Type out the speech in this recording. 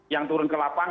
yang turun ke lapangan